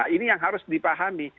ini yang harus dipahami